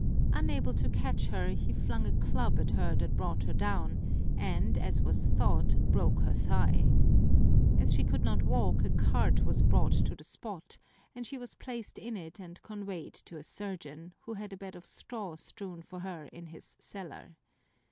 Unable to catch her, he flung a club at her that brought her down and, as was thought, broke her thigh. As she could not walk, a cart was brought to the spot, and she was placed in it and conveyed to a surgeon, who had a bed of straw strewn for her In his cellar.